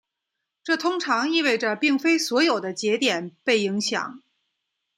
这通常意味着并非所有的节点被影响。